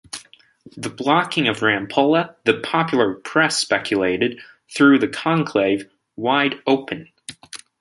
The blocking of Rampolla, the popular press speculated, threw the conclave wide open.